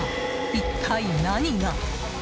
一体何が？